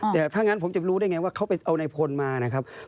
แต่ถ้างั้นผมจะรู้ได้ไงว่าเขาไปเอาในพลมานะครับ